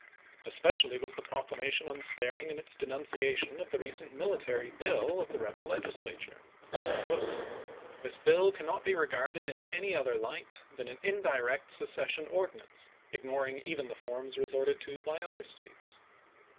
Especially was the proclamation unsparing in its denunciation of the recent military bill of the rebel Legislature. This bill cannot be regarded in any other light than an indirect secession ordinance, ignoring even the forms resorted to by other States.